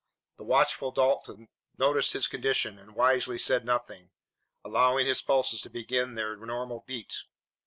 The watchful Dalton noticed his condition, and wisely said nothing, allowing his pulses to regain their normal beat.